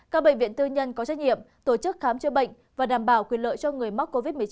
các bệnh viện tư nhân có trách nhiệm tổ chức khám chữa bệnh và đảm bảo quyền lợi cho người mắc covid một mươi chín